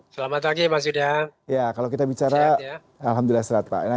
selamat pagi pak sudhan